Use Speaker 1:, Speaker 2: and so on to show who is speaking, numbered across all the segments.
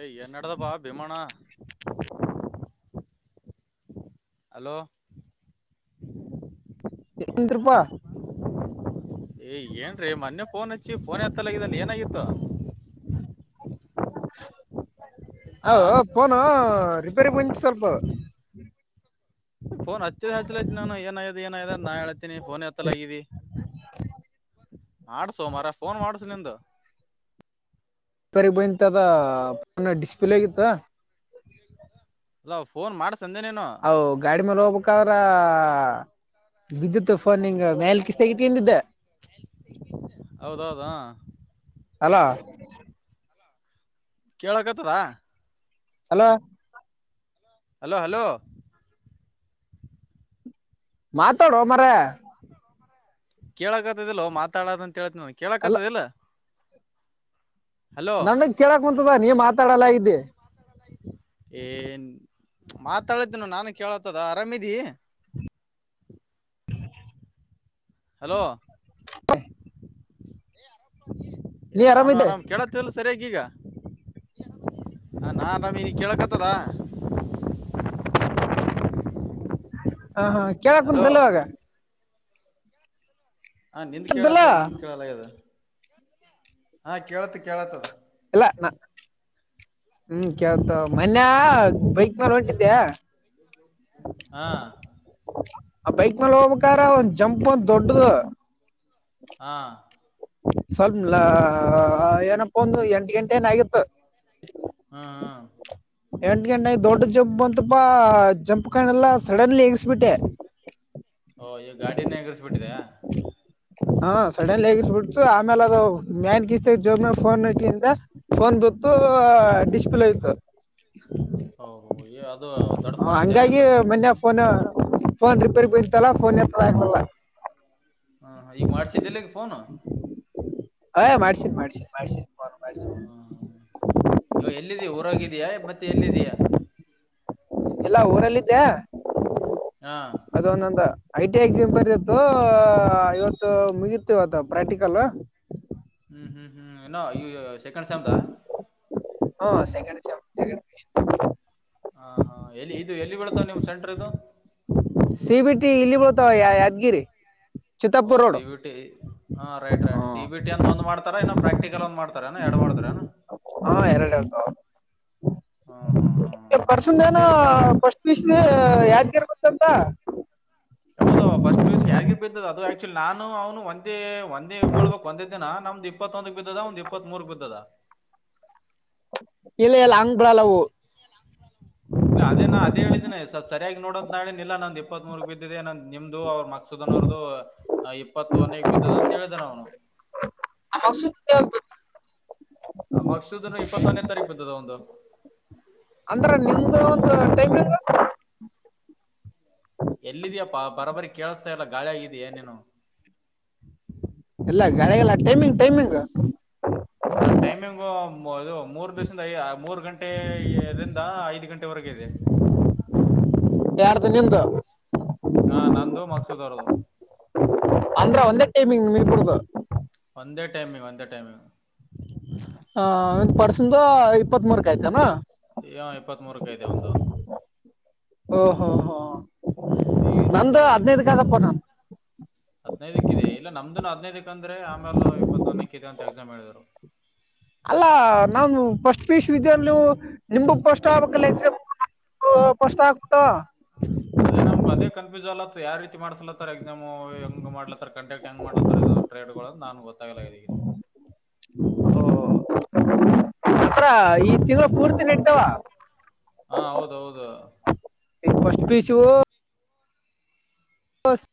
Speaker 1: ಏಯ್ ನಡದಾಪಾ ಭೀಮಾಣ್ಣಾ. Hello.
Speaker 2: A [unintelligible] ಪಾ.
Speaker 1: ಏ ಏನ್ರಿ ಮನ್ನೆ ಫೋನ್ ಹಚ್ಚಿವ ಫೋನೆ ಎತ್ತಲ್ಲ ಆಗಿದಲ್ಲಿ ಏನಾಗಿತ್ತು. ಆ
Speaker 2: ಹೌದು ಫೋನು ರಿಪೇರಿ ಬಂದಿತ್ ಸ್ವಲ್ಪ.
Speaker 1: ಫೋನ್ ಹಚ್ಚದ ಹಚ್ಲಲೆ ನಾನುಏನಾಗದ ಏನ್ದ ನಾ ಹೇಳ. ಫೋನ್ ಎತ್ತಲಗಿದಿ ಮಾಡಸು ಮಾರಾಯ ಫೋನ್ ಮಾಡಸು ನಿಂದು.
Speaker 2: ಸರಿಗ್ ಬಂದಂತ ಅದ ಫೋನ ಡಿಸ್ಪ್ಲೇ ಹೋಗಿತ್ತು.
Speaker 1: ಅಲ್ಲ ಫೋನ್ ಮಾಡಸಂದೆನೀನು.
Speaker 2: ಹಾ ಗಾಡಿ ಮೇಲೆ ಹೋಗ್ಬೇಕಾದ್ರೆ. ಬಿದ್ದತು ಫೋನ್ಂಗ ಮೇಲ್ ಕ್ತಗಟ್ಟಿದ್ದ.
Speaker 1: ಹೌದೌದ
Speaker 2: ಹಲೋ
Speaker 1: ಕೇಳಕತದಾ.
Speaker 2: Hello
Speaker 1: hello hello.
Speaker 2: ಮಾತೋಡೋ ಮಾರಾಯ.
Speaker 1: ಕೇಳಕ್ತ್ತದಿಲ್ಲ ಮಾತಾಡೋದಂತ ಹೇಳ್ತನ
Speaker 2: ಅಲ್ಲ
Speaker 1: ಕೇಳಕ್ತ್ತದಿಲ್ಲ.
Speaker 2: ನನ್ಗ್ ಕೇಳಕ್ ಕುಂತದ ನೀ ಮಾತಾಡಲ್ಲ ಇದ್ದಿ.
Speaker 1: ಏ ಮಾತಾಡಿದ್ದನು ನಾನು ಕೇಳತದ ಆರಾಮಿದಿ. ಹಲೋ
Speaker 2: ನೀ
Speaker 1: ಏ ನಾನು
Speaker 2: ಆರಾಮಿದ್ದೆ
Speaker 1: ಆರಾಮ್ ಕೇಳ. ಇಲ್ಲ ಸರಿಯಾಗಿಗ ನಾನ್ ರಹರಮ್ ಕೇಳಕ್ತ್ತದ.
Speaker 2: ಹಾ ಹಾ
Speaker 1: ಹಲೋ
Speaker 2: ಕೇಳಕ್ಂತ್ದಲ್ಲವಾಗ.
Speaker 1: ಹ ನಿಂದ
Speaker 2: ಕೇಳ್ತಿಲ್ಲ
Speaker 1: ಕೇಳತದ ನನ್ ಕೇಳಲಗದ ಹಾ ಕೇಳತ ಕೇಳತದ.
Speaker 2: ಇಲ್ಲ ನಾ. ಹ್ಮ್ ಕೇಳ್ತ ಮನ್ಯ ಬೈಕ್ ಮೇಲ್ ಹೊಂಟಿದ್ದೆ.
Speaker 1: ಹಾ.
Speaker 2: ಆ ಬೈಕ್ ಮಲ್ ಹೋಗ್ಬೇಕಾರ ಒಂದ್ ಜಂಪ್ ಒಂದ ದೊಡ್ಡದು.
Speaker 1: ಹಾ
Speaker 2: ಸ್ವಲ್ಲ್ಲ ಏನಪ್ಪ ಅಂದ್ರೇ ಒಂದು ಎಂಟು ಗಂಟೆನೆ ಆಗಿತ್ತು.
Speaker 1: ಹಾ ಹಾ
Speaker 2: ಎಂಟ ಗಂಟೆಗೆ ದೊಡ್ಡ ಜಂಪ್ ಬಂತಪಾ ಜಂಪ್ ಕಾಣ ಎಲ್ಲಾ ಸಡನ್ಲಿ ಎಗಸ್ಬಿಟ್ಟೆ
Speaker 1: ಓ ಈಗ ಗಾಡಿನೇ ಎಗರಿಸ್ಬಿಟ್ಟಿದೆ
Speaker 2: [inaudible] ಹಾ ಸಡನ್ ಹೇಗಿ ಬಿಡ್ತು ಆಮೇಲೆ ಅದು ಮ್ಯಾನ್ ಗಿಸ್ ಜೋಬ ಮೇ ಫೋನ್ ಇಟ್ಲಿಂದ. ಫೋನ್ ಬಿತ್ತು ಡಿಸ್ಪ್ಲೇ ಹೋಯ್ತು.
Speaker 1: ಹ ಹ ಅದು ದೊಡ್ಡ
Speaker 2: ಆ,
Speaker 1: ಫೋನ್ ಐತೆ ಏನ್
Speaker 2: ಹಂಗಾಗಿ
Speaker 1: ನಿಂದು.
Speaker 2: ಮೊನ್ನೆ ಫೋನ್ ಫೋನ್ ರಿಪೇರ್ ಬಯತಲ್ಲ ಫೋನ್ ಎತ್ತಕಲ್ಲ.
Speaker 1: ಹಾ ಈಗ ಮಾಡ್ಸಿದ್ದೆಲ್ಲಗೆ ಫೋನು.
Speaker 2: ಹೇ ಮಾಡಾರ್ಸನ್ ಮಾಡಾರ್ಸನೀ ಮಾಡಸನೀ ಫೋನ್ ಮಾಡಸನ್.
Speaker 1: ಈವಾಗ ಎಲ್ಲಿದೀ ಊರಾಗಿದ್ಯಾ ಮತ್ತೆ ಎಲ್ಲಿದಿಯಾ.
Speaker 2: ಇಲ್ಲಾ ಊರಲ್ಲಿದ್ದೆ.
Speaker 1: ಹಾ
Speaker 2: ಅದು ಒಂದೊಂದು ಐ ಟಿ ಎಕ್ಸಾಮ್ ಬರ ಇತ್ತು ಇವತ್ತು ಮುಗಿತಿವತ್ತು ಪ್ರಾಕ್ಟಿಕಲ್.
Speaker 1: ಹ್ಮ್ ಹ್ಮ್ ಹ್ಮ್ ನ್ನೋ ಈ ಸೆಕೆಂಡ್ ಸೆಮ್ಡ್
Speaker 2: ಹಾ ಸೆಕಂಡ ಸೇಮ್ ಸೆಕೆಂಡ್.
Speaker 1: ಹಾ ಹಾ ಎಲ್ಲಿ ಇದು ಎಲ್ಲಿ ಬೀಳ್ತಾವ ನಿಮ್ ಸೆಂಟರ್ ಇದು
Speaker 2: ಸಿ ಬಿ ಟಿ ಇಲ್ಲಿ ಬಳ್ತಾವ ಯಾದ್ಗಿರಿ.
Speaker 1: ಓ ಸಿವಿ ಟಿ. ಹಾ ರೈಟ್ ರೈಟ್
Speaker 2: ಹ್ಮ್
Speaker 1: ಸಿ ಬಿ ಟ ಅಂತ ಒಂದು ಮಾಡ್ತಾರ ಇನೋ ಪ್ರಾಕ್ಟಿಕಲ್ ಒಂದ ಮಾಡ್ತಾರೆ ಏನು ಎರಡ್ ಮಾಡತಾರೆ.
Speaker 2: ಎರಡು ಬ್ರೋ.
Speaker 1: ಹಾ ಹಾ ಹಾ.
Speaker 2: ಪರ್ಸನ್
Speaker 1: ಮತ್ತೆ
Speaker 2: ಏನೋ
Speaker 1: ಇದು ಮುಗಿದ
Speaker 2: first P U C Yadgir ಗೊತ್ತಂತ.
Speaker 1: ಹೌದ ಫಸ್ಟ್ ಪಿ ಯೂ ಸಿ ಯಾರಿಗಿಗೆ ಬಿದ್ದದ ಅದು ಆಕ್ಚುಲ್ ನಾನು ಅವನು ಒಂದೇ ಒಂದೇ ಬೀಳ್ಬಬೇಕಕ್ ಒಂದೇ ದಿನ ನಮ್ದ ಇಪ್ಪತ್ತೊಂದಕ್ ಬಿದ್ದದ ಒಂದ್ ಇಪ್ಪತ್ ಮೂರ್ಕ್ ಬಿದ್ದದ.
Speaker 2: ಇಲ್ಲ ಇಲ್ಲ ಹಂಗ್ ಬಿಡಲ್ಲೂ ಅವು.
Speaker 1: ಇಲ್ಲ ಅದೇ ನಾ ಅದೇ ಹೇಳಿದೇನೆ ಸುಲ್ಪ ಸರಿಯಾಗಿ ನೋಡೋಂತ ನ ಹೇಳಿ ಇಲ್ಲ ನಂದು ಇಪ್ಪತ್ ಮೂರ್ ಬಿದ್ದಿದೆ ನನ್ ನಿಮ್ದು ಅವ್ರ ಮಕ್. ಸುಧನ್ ಅವರ್ದ ಇಪ್ಪತ್ತು ಒನ ಬಿದ್ದದ ಅಂತ ಹೇಳ್ದಾನ ಅವನು.
Speaker 2: ಔಷಧ.
Speaker 1: ಆ ಮಕ್ಸೂದನು ಇಪ್ಪತ್ತೊನೇ ತಾರೀಕು ಬತದ ಒಂದು.
Speaker 2: ಅಂದ್ರ ನಿಮ್ದ ಒಂದು ಟೈಮಿಂಗ್.
Speaker 1: ಎಲ್ಲಿದ್ಯಾಪ್ಪಾ ಬರಬರಿ ಕೇಳಿಸ್ತಾ ಇಲ್ಲ ಗಾಳಿ ಆಗಿದೆಯ ಏನೇನು.
Speaker 2: ಇಲ್ಲ ಗಳ ಎಲ್ಲ ಟೈಮಿಂಗ್ ಟೈಮಿಂಗ್.
Speaker 1: ಅ ಟೈಮಿಂಗ್ ಇದು. ಮೂರ್ ದಿವಸದ ಮೂರು ಗಂಟೆರಿಂದ ಐದು ಗಂಟೆವರೆಗೆ ಇದೆ.
Speaker 2: ಯಾರದು ನಿಂದು.
Speaker 1: ಹಾ ನಂದು ಮಕ್ಸುದ್ ಅವ್ರದ್ದು
Speaker 2: ಅಂದ್ರೆ ಒಂದೇ ಟೈಮಿಂಗ್ ನೀರ್ ಕುಡದು.
Speaker 1: ಒಂದೇ ಟೈಮಿಂಗ ಒಂದೇ ಟೈಮಿಂಗ್.
Speaker 2: ಹ ಒ ಪರ್ಸದ ಇಪ್ಪತ್ತ್ ಮೂರ್ಕ ಆಯ್ತನಾ.
Speaker 1: ಯ ಇಪ್ಪತ್ ಮೂರಕ ಐತೆ ಒಂದು.
Speaker 2: ಓಹೋ ಹೋ
Speaker 1: ಈ
Speaker 2: ನಂದು ಹದ್ನೈದಗಾದಪ್ಪ ನಾನು.
Speaker 1: ಹಾದ್ನಿಯ್ದು ಇದೆ ಇಲ್ಲ ನಮ್ದು ಹದಿನೈದಕ್ ಅಂದ್ರೆ ಆಮೇಲೆ ಇಪ್ಪತ್ತೊಂದನಕ್ಕ ಇ ಅಂತ ಎಕ್ಸಾಮ್ ಹೇಳ್ರು.
Speaker 2: ಅಲ್ಲಾ ನಾನು ಫಸ್ಟ್ ಪೀಸ್ ವಿದವು ನಿಮು ಪಸ್ಟ್ ಆಗಬೇಕಲ್ಲ ಎಕ್ಸಾಮ್. ಓ ಪಷ್ಟ ಆಟ್ಟ.
Speaker 1: ಅದೇ ನಮ್ಗೆ ಅದ ಕನ್ಫ್ಯೂಜನ್ ಅಲತ್ತ ಯಾವ ರೀತಿ ಮಾಡಸ್ಲತ್ತಾರ ಎಕ್ಸಾಮು ಹೆಂಗ ಮಾಡ್ಲತ್ತ ಕಂಟಕ್ಟ್ ಹೆಂಗ್ ಮಾಡಲತ್ತಾರ. ಟೇಡ್ಡಗಳನ್ನುಂದು ನಾನು ಗೊತ್ತಾಗಲಿದ್ದೀ.
Speaker 2: ಓತ್ರ ಈ ತಿಂಗಳು ಪೂರ್ತಿ ನ.
Speaker 1: ಹಾ ಹೌದ ಹೌದು.
Speaker 2: ಪಷ್ಟಟ್ ಪೀಚ್. ಹಓಸ್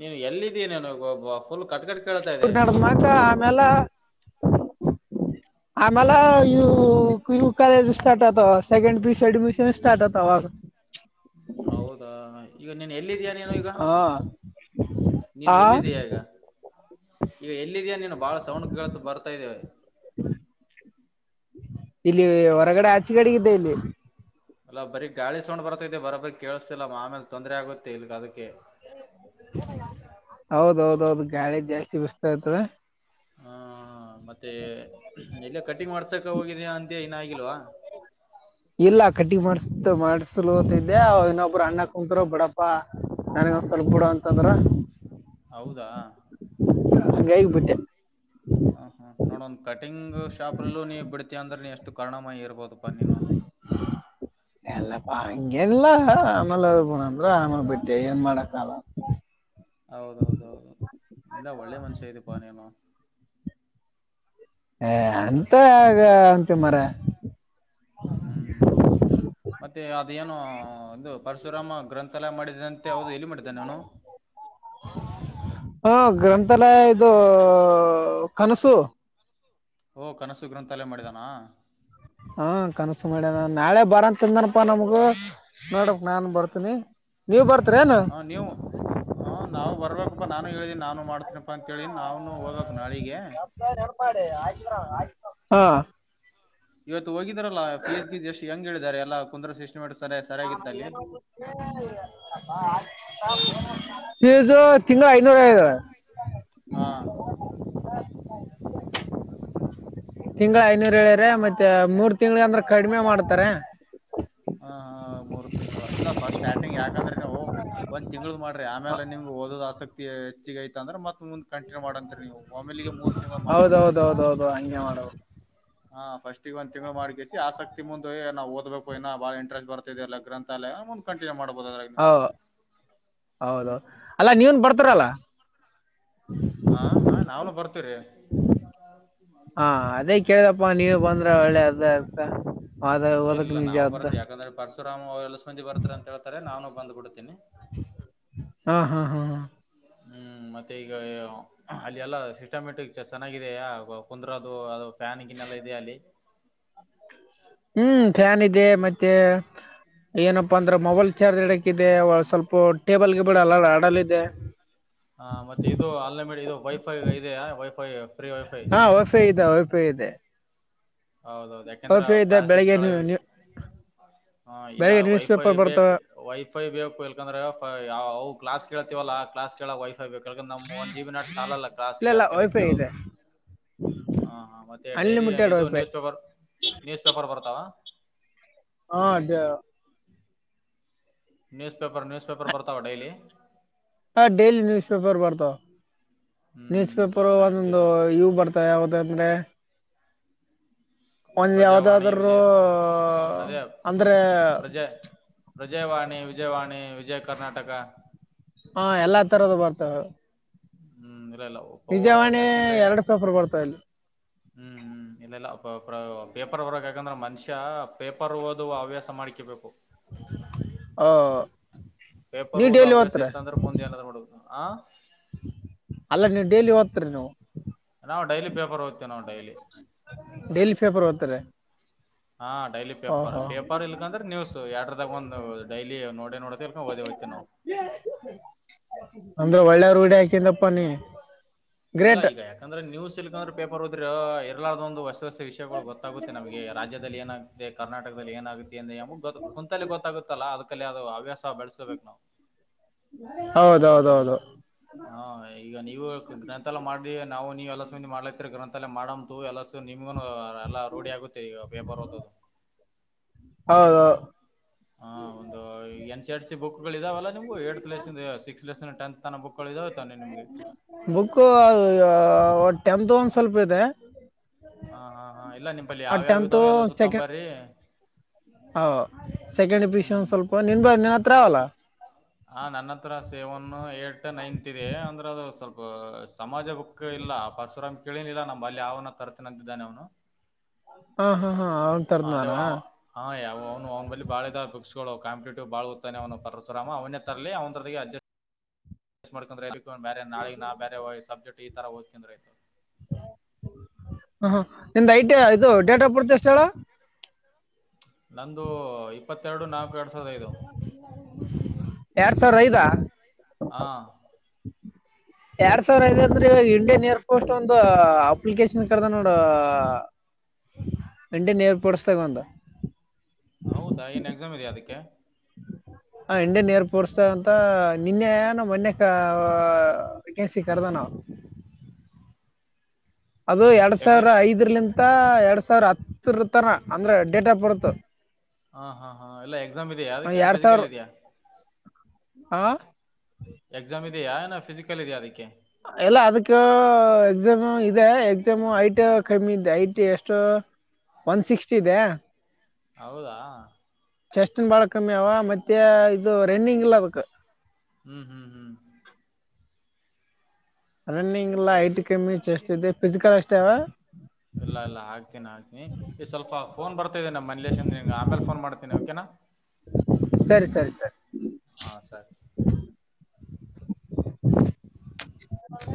Speaker 1: ನೀನು ಎಲ್ಲಿದ್ದೀ ನನಗೆ ಒಬ್ಬ. [unintelligible] ಕಟ್ಟ
Speaker 2: ಇ ನದ ಮಾಕ್ಕ ಆಮೇಲೆ. ಆಮಲೆ ಯ ಯ ಕಾಲಜ ಸ್ಟಾರ್ಟ ಆತ second P C admission start ಆತ. ಹ
Speaker 1: ಹೌದಾ ಈಗ ನೀನ್ ಎಲ್ಲಿದ್ದಯ ನೀನು ಈಗ.
Speaker 2: ಹಾ
Speaker 1: ನೀನು
Speaker 2: ಆ
Speaker 1: ಎಲ್ಲಿದೆಯಾಗ. ಈಗ ಎಲ್ಲಿದೆಯ ನೀನು ಬಾಳ ಸೌಂಡ್ ಬರ್ತಾ ಇದ್ದೇವೆ.
Speaker 2: ಇಲ್ಲಿ ಹೊರಗಡೆ ಆಚೆ ಕಡೆಗ್ದೆ ಇಲ್ಲಿ.
Speaker 1: ಅಲ್ಲ ಬರೀ ಗಾಳಿ ಸೌಂಡ್ ಬರ್ತೈತೆ ಬರೋ ಬರಿ ಕೇಳಿಸಸತಿಲ್ಲ ಆಮೇಲೆ ತೊಂದ್ರ ಆಗುತ್ತೆ ಇಲ್ಗ ಅದಕ್ಕೆ.
Speaker 2: ಹೌದೌದೌದು ಗಾಳಿ ಜಾಸ್ತಿ ಬಿಸತಾಯತದ.
Speaker 1: ಹಾ ಮತ್ತೆ ಎಲ್ಲ ಕಟಿಂಗ್ ಮಾಡ್ಸಕ
Speaker 2: ಇ-
Speaker 1: ಹೋಗಿದಯಾ ಅಂತ ನ ಆಗಲ್ವಾ.
Speaker 2: ಇಲ್ಲ ಕಟ್ಟಿ ಮಾಡ್ಸ ಮಾಡ್ಸಲತಿದ್ದೆ ಇನ್ನೊಬ್ರು ಅಣ್ಣ ಕುಂತ್ರ ಬಿಡ. ಪ್ಪಾ ನನಗ ಒಂದ್ಸವಲ್ಪ ಗೂಡ ಅಂತಂದ್ರ.
Speaker 1: ಹೌದಾ.
Speaker 2: ಕೈಗೆ ಬಿಟ್ಟ.
Speaker 1: ಹ ಹಾ ನೋಡ ಒಂದ್ ಕಟಿಂಗ್ ಶಾಪಲ್ಲು ನೀ ಬಿಡ್ತೀ ಅಂದ್ರೆ ನೀ ಎಷ್ಟು ಕಾರಣಾಮಯಿ ಇರ್ಬೋದಪ್ಪಾ ನೀನು.
Speaker 2: [inaudible] ಎಲ್ಲ ಪಾಡಿಗ್ ಇಲ್ಲ ಆಮೇಲೆ ಪ ಆಮಲೆ ಬಿಟ್ಟೆ ಏನ್ ಮಾಡಕ್ಕಲ್ಲ.
Speaker 1: ಹೌದೌದೌದ ಇಲ್ಲ ಒಳ್ಳೆ ಮನಶ್ಯ ಇದಿ ಅಪ್ಪ ನೀನು.
Speaker 2: ಏ ಅಂತ ಯಾಕ್ ಅಂತಿ ಮಾರಾಯ್.
Speaker 1: ಹ್ಮ್ ಮತ್ತೆ ಅದೇಏನು ಒಂದು ಪರಶುರಾಮ ಗ್ರಂಥಾಲಯ ಮಾಡಿದಂತೆ ಹೌದು ಎಲ್ಲಿ ಮಾಡಿದ್ದಾನೆ ಅವನು.
Speaker 2: ಹಾ ಗ್ರಂಥಾಲಯ ಇದು ಕನಸು.
Speaker 1: ಓ ಕನಸು ಗ್ರಂಥಾಲಯಾ ಮಾಡಿದಾನ.
Speaker 2: ಹಾ ಕನಸ್ಸು ಮಾಡ್ಯನ ನಾಳೆ ಬರಂತ ಅಂದನಾ ನಮ್ಗ. ನೋಡಕ್ ನಾನ್ ಬರ್ತೀನಿ ನೀವ ಬರ್ತರ ಏನು.
Speaker 1: ಹಾಂ ನೀವು ಹಾಂ ನಾವು ಬರ್ಬೇಕಪ್ಪ ನಾನು ಹೇಳಿದ್ದೀನಿ ನಾನು ಮಾಡ್ತೀನಪ್ಪ ಅಂತ ಅಂತ ಹೇಳೆನಿ ನಾವುನು ಹೋಗ್ಬೇಕು ನಾಳಿಗೆ.
Speaker 2: ನನಗ್ ನೆನಪ್ ಮಾಡಿ ಆಗಿದ್ರ್ ಆಗಿತ್ತ ಹಾ.
Speaker 1: ಇವತ್ತು ಹೋಗಿದಾರಲ್ಲಾ ಫೀಸ್ ಗೀಸ್ ಎಷ್ಟ ಹೆಂಗ ಹೇಳಿದ್ದಾರೆ ಎಲ್ಲ ಕುಂದರ್ಶಿ ಸಿಸ್ಟೆಮ್ಯಾಟಿಕ್ ಸರಿಯಾಗಿ.
Speaker 2: [inaudible] ಹೆಸೋ ತಿನ್ನು ಐದು ಐದ್.
Speaker 1: ಹಾ
Speaker 2: ತಿಂಗಳ ಐನೂರು ಹೇಳ್ಯಾರ್ ಮತ್ತೆ ಮೂರ್ ತಿಂಗಳಿಗ ಅಂದ್ರೆ ಕಡಿಮೆ ಮಾಡ್ತಾರೆ.
Speaker 1: ಹಾ ಹಾ ಮೂರು ತಿಂಗಳ ಇಲ್ಲ ಫಸ್ಟ್ ಸ್ಟ್ರೈಟಿಂಗ್ ಯಾಕಂದ್ರ ನೀವು ಒಂದ್ ತಿಂಗಳದ್ ಮಾಡ್ರರಿ ಆಮೇಲೆ ನಿಮ್ಗೆ ಓದೋದ್ ಆಸಕ್ತಿ ಹೆಚ್ಚಗ ಐತಂದ್ರೆ ಮತ್ತ ಮುಂದ್ ಕಂಟಿನ್ಯೂ ಮಾಡಂತರಿ ನೀವು ಒಮ್ಮಿಲಿಗೆ ಮೂರು ತಿಂಗಳಿಗೆ ಮಾಡಬೇಡ್ರಿ ಆ
Speaker 2: ಹೌದೌದು
Speaker 1: ಥರ
Speaker 2: ಹೌದೌದು ಹಂಗೆ ಮಾಡೋದು
Speaker 1: ಹಾ ಫಸ್ಟ್ ಒಂದ ತಿಂಗಳು ಮಾಡ್ಕ್ಯಸಿ ಆಸಕ್ತಿ ಮುಂದ ಹೋಗಿ ನಾವ ಓದ್ಬೇಕು ಇನ್ನ ಬಾಳ ಇಂಟ್ರೆಸ್ ಬರ್ತ ಇದಲ್ಲ ಗ್ರಂತಾಲಯ ಮುಂದ್ ಕಂಟಿನ್ಯೂ ಮಾಡಬಹುದು ಅದರಾಗೆ.
Speaker 2: ಹ ಹೌದ ಹೌದ್ ಅಲ್ಲ ನೀವನ್ ಬರ್ತೀರಲ್ಲ.
Speaker 1: ಹಾ ನಾ ನಾವ್ನು ಬರ್ತೀರಿ. [inaudible]
Speaker 2: ಹಾ ಅದೇ ಕೇಳಿದಪ್ಪ ನೀವು ಬಂದ್ರ ಒಳ್ಳೆ ಅದ ಅದ
Speaker 1: ಎ
Speaker 2: ಅದಕ್
Speaker 1: ಇಲ್ಲ
Speaker 2: ನಿಜ
Speaker 1: ನಾವು
Speaker 2: ಅದ
Speaker 1: ಬರ್ತೀವಿ ಯಾಕಂದ್ರೆ ಪರಶುರಾಮ್ ಅವ ಎಲ್ಲ ಹೊಸ ಮಂದಿ ಬರ್ತಾರೆ ಅಂತ ಹೇಳ್ತಾರೆ ನಾನುನೂ ಬಂದ ಬಿಡ್ತೀನಿ.
Speaker 2: ಹಾ ಹಾ ಹಾ ಹಾ
Speaker 1: ಹ್ಮ ಮತ್ತೆ ಈಗ ಅಲ್ಲಿ ಎಲ್ಲ ಸಿಸ್ಟಮೆಟಿಕ್ ಚೆನ್ನಾಗಿದೆಯ ಕುಂದರೋದು ಅದು ಫ್ಯಾನ್ ಗಿನ್ನೆಲ್ಲಾ ಇದೆಯಾ ಅಲ್ಲಿ.
Speaker 2: ಹ್ಮ್ ಫ್ಯಾನ್ ಇದೆ ಮತ್ತೆ ಏನಪ್ಪಾ ಅಂದ್ರ ಮೊಬೈಲ್ ಚಾರ್ಜ್ ಇಡಕ್ ಇದೆ ಸ್ವಲ್ಪ ಟೇಬಲ್ ಗಿಬಲ್ ಆಡಲ್ಲ ಇದೆ.
Speaker 1: ಹಾ ಮತ್ತೆ ಇದು ಅನ್ಲಿಮಿಟ ಇದು ವೈಫೈ ಇದೆಯಾ ವೈಫೈ. ಫ್ರೀ ವೈಫೈ
Speaker 2: ಹಾ ವೈಫೈ ಇದೆ ವೈಫೈ ಇದೆ.
Speaker 1: ಹೌದ ಹೌದ ಯಾಕೆಂದ್ರೆ
Speaker 2: ವೈಫೈ ಇದೆ
Speaker 1: ಕ್ಲಾಸ್ ಗ್ಲಿಸ್
Speaker 2: ಬೆಳಿಗ್ಗೆ
Speaker 1: ಕೆಲವ್
Speaker 2: ನೀವು ನೀವು
Speaker 1: ಇಲ್ಲ
Speaker 2: ಬೆಳಿಗ್ಗೆ ನ್ಯೂಸ್
Speaker 1: ವೈಫೈ
Speaker 2: ಪೇಪರ್
Speaker 1: ಬೇಕ
Speaker 2: ಬರ್ತವೆ
Speaker 1: ವೈಫೈ ಬೇಕ ಇಲ್ಕಂದ್ರೆ ಅವು ಕ್ಲಾಸ್ ಕೇಳ್ತವಲ್ಲಾ ಕ್ಲಾಸ್ ಕೇಳಕ್ ವೈಫೈ ಬೇಕ್ ಇಕಂದ್ರ ನಮ್ ಒಂದ ಜಿಬಿ ನಾಟ್ ಸಾಲಲ್ಲ
Speaker 2: ಇಲ್ಲ
Speaker 1: ಕ್ಲಾಸ್ಗೆ
Speaker 2: ಇಲ್ಲ
Speaker 1: ಅದಕಲ್ಲಿ
Speaker 2: ವೈಫೈ
Speaker 1: ಕೇಳೋದು
Speaker 2: ಇದೆ
Speaker 1: ಹಾ ಹಾ ಮತ್ತೆ ಡೈಲಿ
Speaker 2: ಅನ್ಲಿಮಿಟೆಡ್
Speaker 1: ಇದು
Speaker 2: wifi
Speaker 1: news paper news paper ಬರುತ್ತಾವ.
Speaker 2: ಹಾ
Speaker 1: ನ್ಯೂಸ್ ಪೇಪರ್ ನ್ಯೂಸ್ ಪೇಪ ಬರ್ತಾವ ಡೈಲಿ.
Speaker 2: ಹ ಡೈಲಿ ನ್ಯೂಸ್ ಪೇಪರ್ ಬರ್ತಾವ ನ್ಯೂಸ್
Speaker 1: ಹ್ಮ್ ಇಲ್ಲ
Speaker 2: ಪೇಪರ್
Speaker 1: ನೈಟ್
Speaker 2: ಒಂದೊಂದು ಇವು ಬರ್ತಾವ ಯಾವದಂದರೆ.
Speaker 1: ಪ್ರಜಾವಾಣಿ
Speaker 2: ಯಾವ್ದಾದ್ರು
Speaker 1: ವಿಜಯ ಅದೇ
Speaker 2: ಅಂದ್ರೆ
Speaker 1: ಪ್ರಜೆ. ಪ್ರಜಾವಾಣಿ ವಿಜವಾಣಿ ವಿಜಯ ಕರ್ನಾಟಕ.
Speaker 2: ಹಾ ಎಲ್ಲಾ ತರದ ಬರ್ತವ.
Speaker 1: ಹ್ಮ ಮಿರಲ್ಲ ಓ ಯಾಕೆಂದ್ರೆ
Speaker 2: ಎರಡು ಪೇಪರ್ ಬರ್ತಾವ ಇಲ್ಲಿ
Speaker 1: ಹ್ಮ ಹ್ಮ ಇನಲ್ಲ ಪ್ರಾ ಪೇಪರ್ ಹೊರಗ ಹಾಕಂದ್ರ ಮನ್ಷ್ಯ ಷ ಪೇಪರ್ ಓದುವ ಹವ್ಯಾಸ ಮಾಡ್ಕಬೇಕು.
Speaker 2: ಅ
Speaker 1: ಪೇಪರ್ ಓದ ಹವ್ಯಾಸ ಇತ್ತ ಅಂದ್ರ ಮುಂದ ಏನ್ರ ಮಾಡುದ ಹಾ
Speaker 2: ಅಲ್ಲ ನೀ ಡೈಲಿ ಓದ್ತರಿ ನೀವು.
Speaker 1: ನಾವ ಡೈಲಿ ಪೇಪರ್ ಓತ್ತಿವ ನಾವ ಡೈಲಿ.
Speaker 2: ಡೈಲಿ ಪೇಪರ್ ಓದ್ತೀರಿ
Speaker 1: ಹಾ ಡೈಲಿ ಪೇಪರ್
Speaker 2: ಓಹೋ
Speaker 1: ಪೇಪರ್ ಇಲ್ಕಂದ್ರ ನ್ಯೂಸ್ ಯಡರದಾಗ ಒಂದ ಡೈಲಿ ನೋ ನೋಡ ಇಲ್ಕೊಂಡ ಓದ ಓತ ನಾವ
Speaker 2: ಅಂದ್ರ ಒಳ್ಳೆ ರೂಡಿ ಹಾಕಿಂದಪ್ಪ ನೀ.
Speaker 1: ಇಲ್ಲ
Speaker 2: ಗ್ರೇಟ್
Speaker 1: ಈಗ ಯಾಕಂದ್ರ ನ್ಯೂಸ್ ಇಲ್ಕಂದ್ರ ಪೇಪರ್ ಓದ್ರಿ ಇರ್ಲಾದೊಂದ ಹೊಸ ವಿಷಗೋಳ ಗೊತ್ತಾಗುತ್ತೆ ನಮಗೆ ರಾಜ್ಯದಲ್ಲಿ ಏನ ದೇ ಕರ್ನಾಟಕದಲ್ಲಿ ಏನಾಗುತ್ತ ಅಂದ ಗ ಕುಂತಲ್ಲೇ ಗೊತ್ತಾಗುತ್ತಲ್ಲ ಅದಕಲ್ಲಿ ಅದು ಹವ್ಯಾಸ ಬೆಳೆಸ್ಕೋಬೇಕ ನಾವ.
Speaker 2: ಹೌದೌದೌದು.
Speaker 1: ಹ ಈಗ ನೀವು ಗ್ರಂಥಾಲಯ ಮಾಡಿ ನಾವು ನೀವು ಎಲ್ಲ ಸಂದಿ ಮಾಡ್ಲತಿರಿ ಗ್ರನತಲಯ ಮಾಡಂತು ಎಲ್ಲ ನಿಮ್ಗುನು ಎಲ್ಲಾ ರೂಢಿ ಆಗುತ್ತೆ ಈಗ ಪೇಪರ್ ಓದದು.
Speaker 2: ಹೌದು.
Speaker 1: ಹ ಒಂದ N C R T C book ಗಳ ಇದಾವಲ್ಲ ನಿಮ eighth lesson six lesson tenth. ತನ ಬುಕ್ಗಳ ಇದವೆ ತಾನೇ ನಿಮ್ಗೆ.
Speaker 2: ಬುಕ್ಕು ಅ ಟೆಂತ್ ಒಂದ ಸ್ವಲ್ಪ ಇದೆ.
Speaker 1: ಹಾ ಹಾ ಹಾ ಇಲ್ಲ ನಿಂಬಲ್ಲಿ
Speaker 2: ಆ
Speaker 1: ಯಾವ್ ಯಾವ್ ಇದಾವ ಎಲ್ಲ ಸುತ್ತಂಬರೀ.
Speaker 2: ಹ ಸೆಕೆಂಡ್ ಪಿಷ ಆನ್
Speaker 1: ಹ್ಮ್
Speaker 2: ಸ್ವಲ್ಪ ನಿಂದ ನಿನ್ ಹತ್ರ ಅಲ್ಲ.
Speaker 1: ಹ ನನ್ನತ್ರ ಸೇವನ್ ಏಟ್ ನೈನ್ತ್ ಇದೆ ಅಂದ್ರ ಅದು ಸ್ವಲ್ಪ ಸಮಾಜ ಬುಕ್ಕ ಇಲ್ಲ ಪರಶುರಾಮ ಕೇಳನಿಲ್ಲ ನಮ ಅಲ್ಲಿ ಯನ ತರ್ತೀನ ಅಂತಿದ್ದಾನೆ ಅವನು.
Speaker 2: ಹಾ ಹಾ ಹಾ ಹ
Speaker 1: ಅಲೆ ವಾ ಹಾ ಯವು ಅವ್ನು ಅವನ ಬಲಿ ಬಾಳದ ಬುಕ್ಸ್ಗಳು ಕಂಪಿಟೇಟಿವ್ ಬಾಳ ಓದ್ತಾನೆ ಅವನು ಪರಶುರಾಮ ಅವನೇ ತರಲಿ ಅವ್ರ ಅಡ್ಜ ಮಿಸ್ ಮಾಡ್ಕೊಂಡ್ರೆ ಬೇರೇ ನಾಳಿ ನಾ ಬ್ಯಾರೆ ಸಬ್ಜಕ್ಟ್ ಈತರ ಓದ್ಕೊಂಡ್ರೆ
Speaker 2: ಹ ನಿಂದ ಐಟ ಇದು ಡೇಟ್ ಆಫ್ ಬರ್ತ್ ಎಷ್ಟ ಹೇಳ.
Speaker 1: ನಂದು ಇಪ್ಪತ್ತೆರಡು ನಾಕು ಎರಡು ಸಾವಿರ ಐದು.
Speaker 2: ಯಾಡ್ ಸಾವಿರ ಐದ.
Speaker 1: ಹಾ
Speaker 2: [inaudible] ಎರಡ್ ಸಾವಿರ ಐದಂದ್ರೆ ಇಂಡಿಯನ್ ಏರ್ ಪೋಸ್ಟ್ ಒಂದ ಅಪ್ಲಿಕೇಶನ್ ಕರ್ಧಾನ ನೋಡ. ಇಂಡಿಯನ್ ಏರ್ಪೋರ್ಸ್ ದಾಗ ಒಂದ.
Speaker 1: ಹೌದಾ ಏನ್ ಎಕ್ಸಾಮ್ ಇದೇ ಅದಕ್ಕೆ.
Speaker 2: ಆ ಇಂಡಿಯನ್ ಏರ್ಪೋರ್ಸ್ ಅಂತ ನಿನ್ನೆ ಎನ ಮನ್ನೆ ಕ ಕಸಿಕ್ಕದ ಕರದನ.
Speaker 1: [inaudible]
Speaker 2: ಅದು ಎರಡ್
Speaker 1: ಎಕ್ಸಾ
Speaker 2: ಸಾವಿರ ಐದರಲಿಂತ ಎರಡ್ ಸಾವಿರ ಹತ್ತರ ತರ ಅಂದ್ರೆ ಡೇಟ್ ಆಫ್ ಬರ್ತ್.
Speaker 1: ಹಾ ಹಾ ಹಾ ಎಲ್ಲ ಎಕ್ಸಾಮ್ ಇದೆಯಾ ಅದಕ್ಕ ಏನ
Speaker 2: ಎರಡ್ ಸಾವಿರ
Speaker 1: ಫಿಸಿಕಲ್ ಇದೆಯಾ.
Speaker 2: ಹಾ
Speaker 1: ಎಕ್ಸಾಮ್ ಇದೆಯಾ ಏನ ಫಿಸಿಕಲ್ ಇದೆಯಾ ಅದಕ್ಕೆ.
Speaker 2: ಎಲ್ಲ ಅದಕ್ಕ ಎಕ್ಸಾಮು ಇದೆ ಎಕ್ಸಾಮು ಐಟಿ ಕಮ್ಮಿ ಇದೆ ಐಟಿ ಎಷ್ಟು ಒನ್ ಸಿಕ್ಸ್ಟಿ ಇದೆ
Speaker 1: ಹೌದಾ
Speaker 2: ಚೆಸ್ಟ್ನ್ ಬಾಳ ಕಮ್ಮಿ ಅವ ಮತ್ತೆ ಇದು ರನ್ನಿಂಗ್ ಇಲ್ಲ ಅದಕ್ಕ
Speaker 1: ಹ್ಮ್ ಹ್ಮ್ ಹ್ಮ್
Speaker 2: ರನ್ನಿಂಗ್ ಇಲ್ಲ ಐಟ್ ಕಮ್ಮಿ ಚೆಸ್ಟ್ ಇದೆ ಪಿಸಿಕಲ್ ಅಷ್ಟೇ ಅಲ
Speaker 1: ಇಲ್ಲ ಇಲ್ಲ ಹಾಕ್ತೀನಿ ಹಾಕ್ನಿ ಈ ಸ್ವಲ್ಪ ಫೋನ್ ಬರ್ತ ಇದೆ ನಮ್ಮ ರಿಲೆಷನಿಂದ ಅಮೇಲೆ ಫೋನ್ ಮಾಡ್ತೀನಿ ಓಕೆನಾ
Speaker 2: ಸರಿ ಸರಿ ಸರಿ
Speaker 1: ಹಾ ಸರಿ